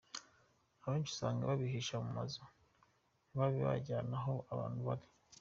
Abenshi usanga babahisha mu nzu, ntibabe babajyana aho abantu bari.